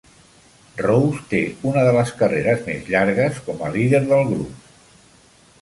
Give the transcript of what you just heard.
Rose té una de les carreres més llargues com a líder del grup.